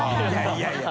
いやいや。